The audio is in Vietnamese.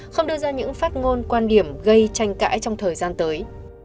không đưa ra những phát ngôn quan điểm gây tranh cãi trong thời gian tới